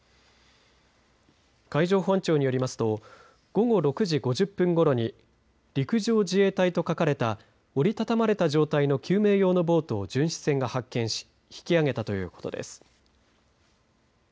海上保安庁によりますと午後６時５０分ごろに陸上自衛隊と書かれた折り畳まれた状態の救命用のボートを巡視船が発見し引き揚げたということです。